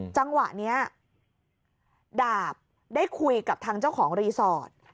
จังหวะนี้ดาบได้คุยกับทางเจ้าของรีสอร์ท